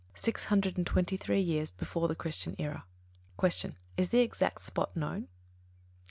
Six hundred and twenty three years before the Christian era. 20. Q. _Is the exact spot known?